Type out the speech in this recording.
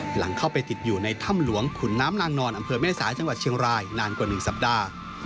หลังเข้าไปติดอยู่ในถ้ำหลวงขุนน้ำนางนอนอำเภอแม่สายจังหวัดเชียงรายนานกว่า๑สัปดาห์